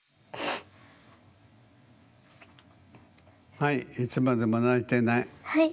はいいつまでも泣いていない。